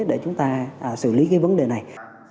để chúng ta xử lý cái vấn đề này